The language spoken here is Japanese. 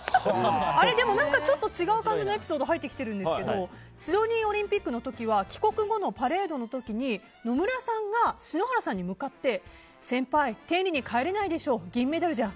ちょっと違う感じのエピソード入ってきてるんですがシドニーオリンピックの時は帰国後のパレードの時野村さんが篠原さんに向かって先輩、天理に帰れないでしょ銀メダルじゃ。